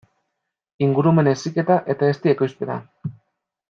Ingurumen heziketa eta ezti ekoizpena.